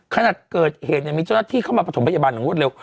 ขณะเกิดเหตุมีเจ้าหน้าที่เข้ามาประถมพยาบาลอย่างรวดเร็ว